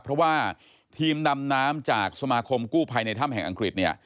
เพราะว่าทีมนำน้ำจากสมาคมกู้ภัยในถ้ำแห่งอังกฤษเนี่ย